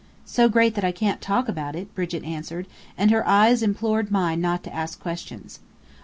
"So great that I can't talk about it," Brigit answered, and her eyes implored mine not to ask questions.